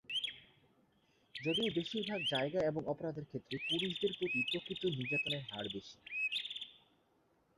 যদিও বেশিরভাগ জায়গা এবং অপরাধের ক্ষেত্রে পুরুষদের প্রতিই প্রকৃত নির্যাতনের হার বেশি।